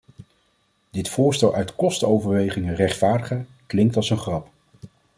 Dit voorstel uit kostenoverwegingen rechtvaardigen, klinkt als een grap.